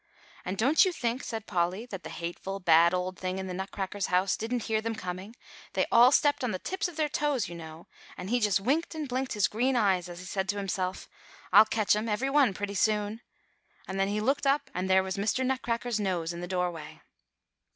"And don't you think," said Polly, "that the hateful, bad old thing in the Nutcrackers' house didn't hear them coming; they all stepped on the tips of their toes, you know; and he just winked and blinked his green eyes as he said to himself, 'I'll catch 'em every one pretty soon.' And then he looked up, and there was Mr. Nutcracker's nose in the doorway."